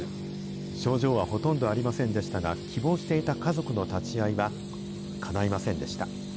症状はほとんどありませんでしたが、希望していた家族の立ち会いは、かないませんでした。